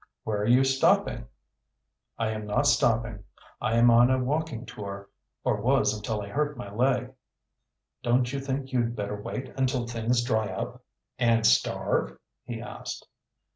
"Where are you stopping?" "I am not stopping. I am on a walking tour, or was until I hurt my leg." "Don't you think you'd better wait until things dry up?" "And starve?" he asked.